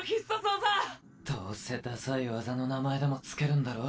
どうせダサい技の名前でも付けるんだろ？